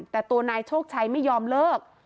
แต่ตัวนายโชคชัยไม่ยอมเลิก